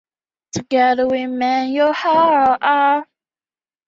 这些因基的变异也许有助于了解为何某些膀膀胱癌长得比较快。